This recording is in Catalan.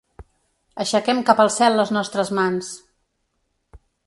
Aixequem cap al cel les nostres mans!